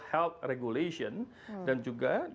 health regulation dan juga